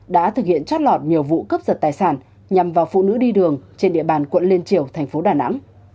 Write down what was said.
đã thực hiện trót lọt nhiều vụ cướp giật tài sản nhằm vào phụ nữ đi đường trên địa bàn quận liên triều thành phố đà nẵng